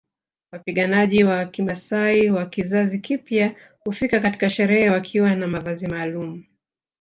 Wapiganaji wa kimaasai wa kizazi kipya hufika katika sherehe wakiwa na mavazi maalumu